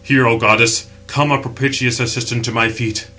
"Hear, O goddess, come a propitious assistant to my feet."